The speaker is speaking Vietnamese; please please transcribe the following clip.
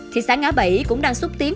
thì xã ngã bẫy cũng đang xúc tiến